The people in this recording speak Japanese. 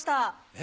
え？